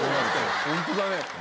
本当だね。